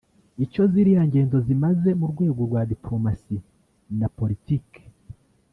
Icyo ziriya ngendo zimaze mu rwego rwa “diplomatie” na “politique”